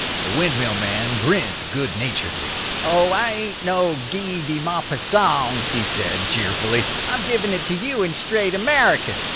The windmill man grinned good naturedly. "Oh, I ain't no Guy de Mopassong," he said, cheerfully. "I'm giving it to you in straight American.